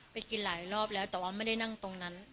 ไปกินหลายรอบแล้วแต่ว่าไม่ได้นั่งตรงนั้น